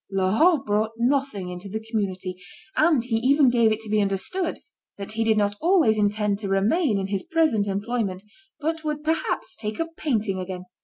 Laurent brought nothing into the community, and he even gave it to be understood that he did not always intend to remain in his present employment, but would perhaps take up painting again.